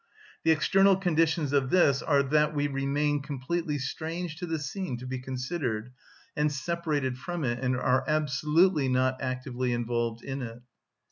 The external conditions of this are that we remain completely strange to the scene to be considered, and separated from it, and are absolutely not actively involved in it.